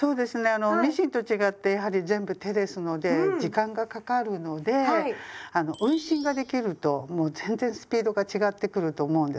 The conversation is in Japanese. あのミシンと違ってやはり全部手ですので時間がかかるのであの運針ができるともう全然スピードが違ってくると思うんですね。